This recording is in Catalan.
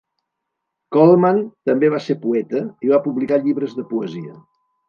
Coleman també va ser poeta i va publicar llibres de poesia.